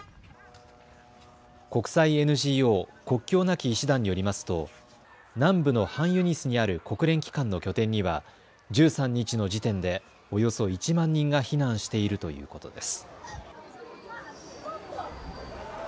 国際ＮＧＯ国境なき医師団によりますと南部のハンユニスにある国連機関の拠点には１３日の時点でおよそ１万人が避難しているということです。